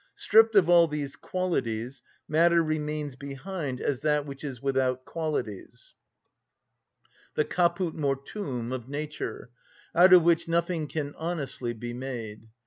Stripped of all these qualities, matter remains behind as that which is without qualities, the caput mortuum of nature, out of which nothing can honestly be made.